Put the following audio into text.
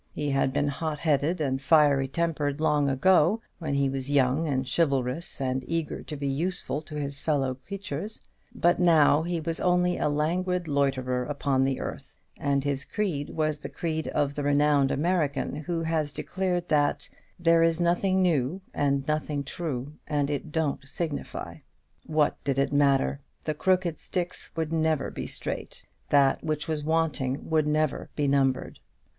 He had been hot headed and fiery tempered long ago, when he was young and chivalrous, and eager to be useful to his fellow creatures; but now he was only a languid loiterer upon the earth, and his creed was the creed of the renowned American who has declared that "there is nothing new, and nothing true; and it don't signify." What did it matter? The crooked sticks would never be straight: that which was wanting would never be numbered.